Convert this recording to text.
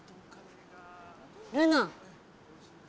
ルナ。